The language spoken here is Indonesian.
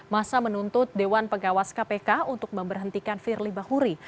masa menuntut dewan pengawas kpk untuk memberhentikan firly bahuri